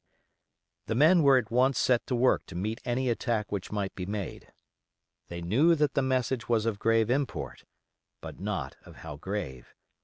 The men were at once set to work to meet any attack which might be made. They knew that the message was of grave import, but not of how grave.